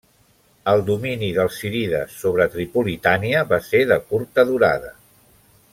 El domini dels zírides sobre Tripolitània va ser de curta durada.